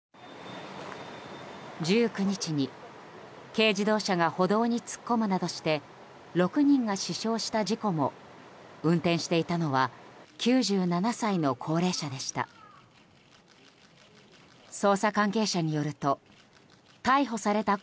１９日に軽自動車が歩道に突っ込むなどして６人が死傷した事故も運転していたのは９７歳の高齢者でした。